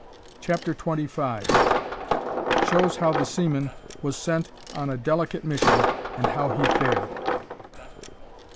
CHAPTER TWENTY FIVE. SHOWS HOW THE SEAMAN WAS SENT ON A DELICATE MISSION AND HOW HE FARED.